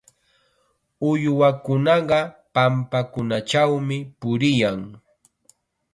Uywakunaqa pampakunachawmi puriyan.